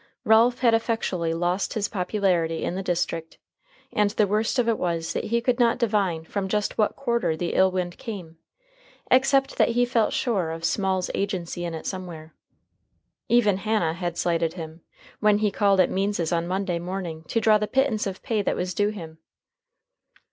Ralph had effectually lost his popularity in the district, and the worst of it was that he could not divine from just what quarter the ill wind came, except that he felt sure of Small's agency in it somewhere. Even Hannah had slighted him, when he called at Means's on Monday morning to draw the pittance of pay that was due him.